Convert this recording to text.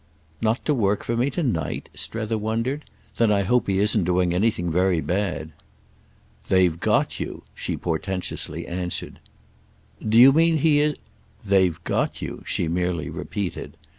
"Not to work for me to night?" Strether wondered. "Then I hope he isn't doing anything very bad." "They've got you," she portentously answered. "Do you mean he is—?" "They've got you," she merely repeated.